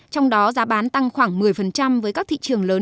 trong đó giá bán tăng khoảng một mươi với các thị trường lớn